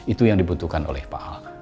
itu yang dibutuhkan oleh pak ahok